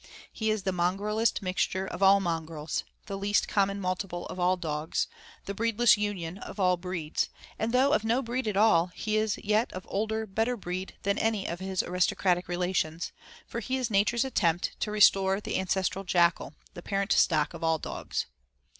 He is the mongrelest mixture of all mongrels, the least common multiple of all dogs, the breedless union of all breeds, and though of no breed at all, he is yet of older, better breed than any of his aristocratic relations, for he is nature's attempt to restore the ancestral jackal, the parent stock of all dogs.